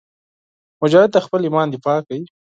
مجاهد د خپل ایمان دفاع کوي.